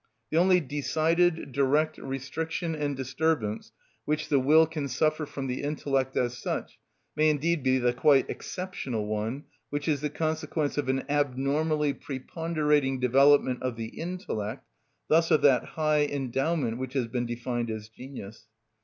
The only decided, direct restriction and disturbance which the will can suffer from the intellect as such may indeed be the quite exceptional one, which is the consequence of an abnormally preponderating development of the intellect, thus of that high endowment which has been defined as genius.